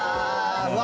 うわ！